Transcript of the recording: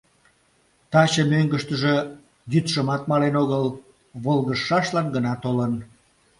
— Таче мӧҥгыштыжӧ йӱдшымат мален огыл, волгыжшашлан гына толын...